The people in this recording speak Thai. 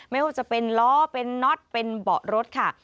ไม่ว่าจะเป็นล้อเป็นน็อตเป็นเบาะรถค่ะ